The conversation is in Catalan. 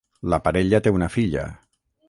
La parella té una filla.